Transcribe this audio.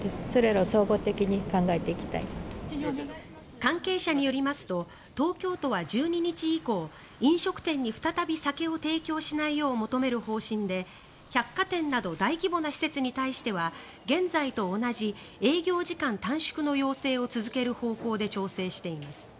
関係者によりますと東京都は１２日以降飲食店に再び酒を提供しないよう求める方針で百貨店など大規模な施設に対しては現在と同じ営業時間短縮の要請を続ける方向で調整しています。